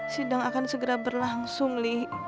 sidang akan segera berlangsung li